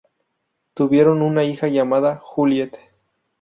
Tuvieron una hija llamada Juliet.